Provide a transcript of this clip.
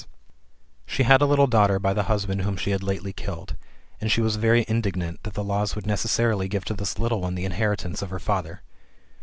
1 86 THB KKTAIfORPHOSIS, OR She had a little daughter by the husband whom she had Utely killed ; and she was very indignant that the laws would necessarily give to this little one the inheritance of her father.